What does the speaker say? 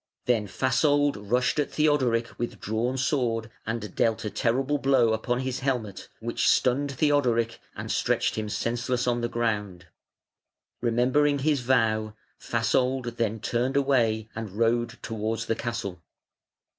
Then Fasold rushed at Theodoric with drawn sword, and dealt a terrible blow upon his helmet, which stunned Theodoric and stretched him senseless on the ground. Remembering his vow, Fasold then turned away and rode towards the castle.